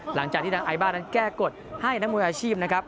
หลังจากที่ทางไอบ้านนั้นแก้กฎให้นักมวยอาชีพนะครับ